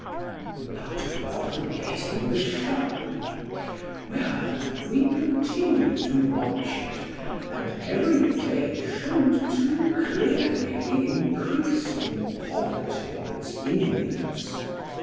But we are forgetting the shop. Well, we continued to watch it, and every day showed too clearly the increasing poverty of its inmates.